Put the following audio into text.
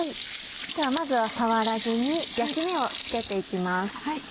まずは触らずに焼き目をつけていきます。